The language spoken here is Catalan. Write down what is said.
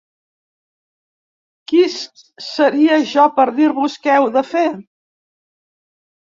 Qui seria jo per dir-vos què heu de fer?